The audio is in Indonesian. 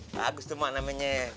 bagus tuh mak namanya